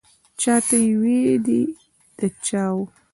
چا ته یې وې دی د چا و.